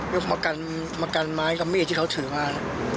ประกันมากันไม้กับมีดที่เขาถือมา